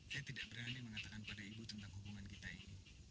saya tidak berani mengatakan pada ibu tentang hubungan kita ini